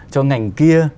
cho ngành kia